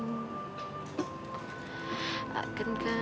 nishtaya dia akan merasa terhibur